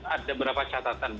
ada beberapa catatan